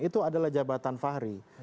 itu adalah jabatan fahri